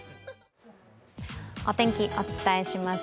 お天気、お伝えします。